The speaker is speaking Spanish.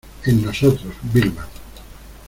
en nosotros, Vilma.